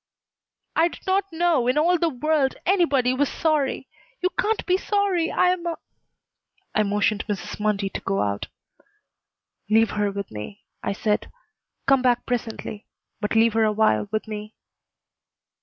"I did not know in all the world anybody was sorry. You can't be sorry I'm a " I motioned Mrs. Mundy to go out. "Leave her with me," I said. "Come back presently, but leave her awhile with me."